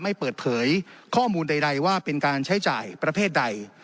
ไม่เปิดเผยข้อมูลใดว่าเป็นการใช้จ่ายประเภทใด